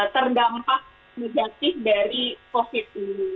terdampak negatif dari covid sembilan belas